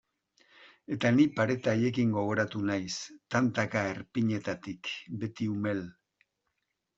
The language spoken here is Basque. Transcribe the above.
Eta ni pareta haiekin gogoratu naiz, tantaka erpinetatik, beti umel.